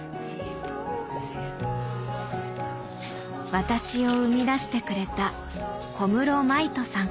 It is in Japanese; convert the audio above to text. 私を生み出してくれた小室真以人さん。